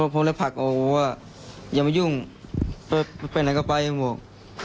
พ่อเลยผลักออกว่าอย่ามายุ่งไปไหนก็ไปมันบอก